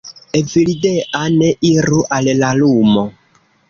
Evildea, ne iru al la lumo!